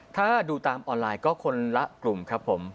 ถ้าดูตามออนไลน์ก็คนละกลุ่มครับผม